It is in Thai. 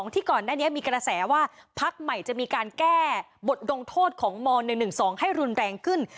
ที่ก่อนหน้านี้มีกระแสว่าพักใหม่จะมีการแก้บทลงโทษของม๑๑๒ให้รุนแรงขึ้น